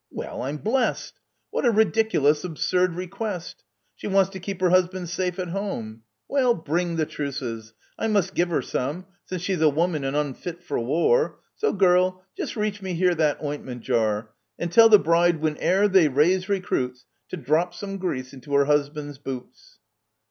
Well, I'm blest ! What a ridiculous, absurd request ! She wants to keep her husband safe at home ! Well, bring the truces — I must give her some, Since she's a woman and unfit for war. So, girl, just reach me here that ointment jar :— And tell the bride, whene'er they raise recruits, To drop some grease into her husband's boots.